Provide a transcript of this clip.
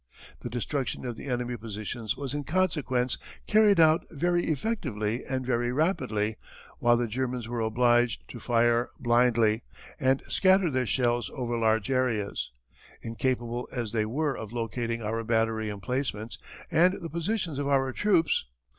"The destruction of the enemy positions was in consequence carried out very effectively and very rapidly, while the Germans were obliged to fire blindly and scatter their shells over large areas, incapable as they were of locating our battery emplacements and the positions of our troops.